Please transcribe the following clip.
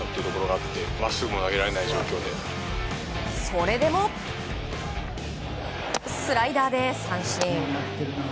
それでもスライダーで三振。